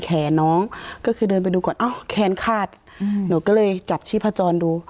น้องก็คือเดินไปดูก่อนอ้าวแขนขาดหนูก็เลยจับชีพจรดู